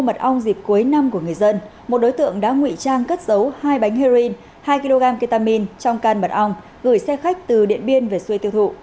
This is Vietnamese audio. trong căn mật ong dịp cuối năm của người dân một đối tượng đã ngụy trang cất dấu hai bánh heroin hai kg ketamine trong căn mật ong gửi xe khách từ điện biên về xuôi tiêu thụ